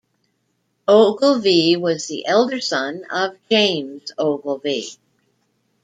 Ogilvie was the elder son of James Ogilvie.